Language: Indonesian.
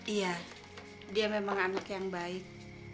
iya dia memang anak yang baik